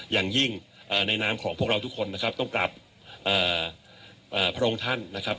อย่างยิ่งในนามของพวกเราทุกคนนะครับต้องกลับพระองค์ท่านนะครับ